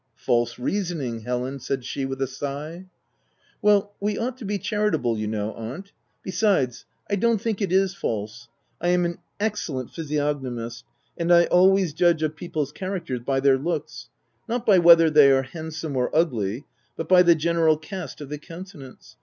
" False reasoning, Helen !" said she with a sigh. " Well, we ought to be charitable, you know, aunt— besides, I don't think it is false : I am an excellent physiognomist, and I always judge of people's characters by their looks — not by whether they are handsome or ugly, but by the general cast of the countenance.